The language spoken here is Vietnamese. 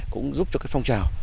cũng giúp cho các phong trào